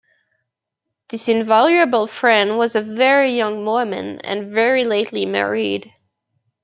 This invaluable friend was a very young woman, and very lately married.